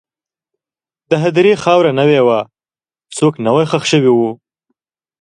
د هدیرې خاوره نوې وه، څوک نوی ښخ شوي وو.